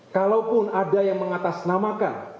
kalaupun ada yang mengatasnamakan